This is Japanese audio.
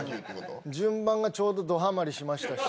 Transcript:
順番がちょうどどハマりしましたし。